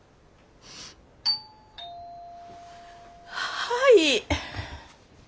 はい。